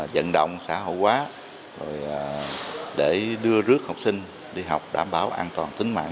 dẫn động xã hội quá để đưa rước học sinh đi học đảm bảo an toàn tính mạng